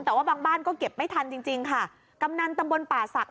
แต่ว่าบางบ้านก็เก็บไม่ทันจริงจริงค่ะกำนันตำบลป่าศักดิ